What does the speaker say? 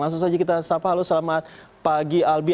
langsung saja kita salam salam selamat pagi albi